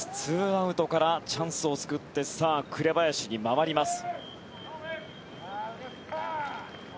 ２アウトからチャンスを作って紅林に回ります。